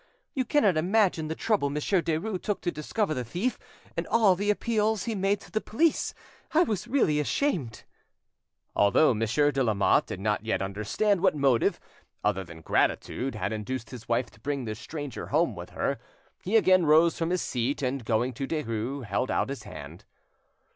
You cannot imagine the trouble Monsieur Derues took to discover the thief, and all the appeals he made to the police—I was really ashamed!" Although Monsieur de Lamotte did not yet understand what motive, other than gratitude, had induced his wife to bring this stranger home with her, he again rose from his seat, and going to Derues, held out his hand.